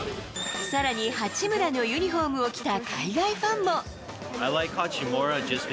さらに八村のユニホームを着た海外ファンも。